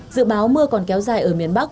dự báo mưa còn kéo dài ở miền bắc